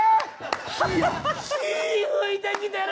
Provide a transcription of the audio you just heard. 火噴いてきてる！